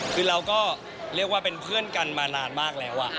คือเราก็เรียกว่าเป็นเพื่อนกันมานานมากแล้ว